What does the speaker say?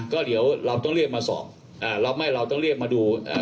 ก็เดี๋ยวเราต้องเรียกมาสอบอ่าเราไม่เราต้องเรียกมาดูอ่า